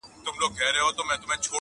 o دا ماته هینداره جوړومه نور ,